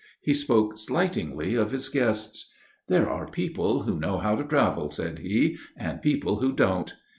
He spoke slightingly of his guests. "There are people who know how to travel," said he, "and people who don't.